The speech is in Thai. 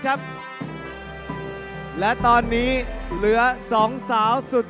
ขอเรียนเชิญนะครับ